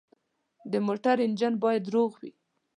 د موټر انجن باید روغ وي.